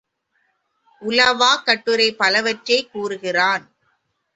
உலவாக் கட்டுரை பலவற்றைக் கூறுகிறான்.